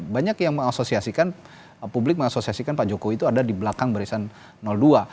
banyak yang mengasosiasikan publik mengasosiasikan pak jokowi itu ada di belakang barisan dua